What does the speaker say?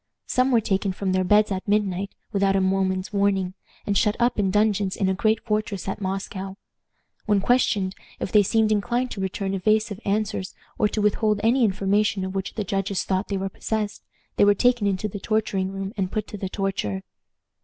Some were taken from their beds at midnight, without a moment's warning, and shut up in dungeons in a great fortress at Moscow. When questioned, if they seemed inclined to return evasive answers, or to withhold any information of which the judges thought they were possessed, they were taken into the torturing room and put to the torture.